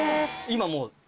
今もう。